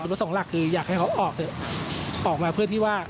รู้สึกหลักคืออยากให้เขาออกเถอะออกมาเพื่อที่ว่า